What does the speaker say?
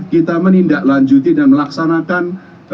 kita menindaklanjuti dan melaksanakan